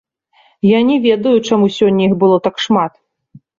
Я не ведаю, чаму сёння іх было так шмат.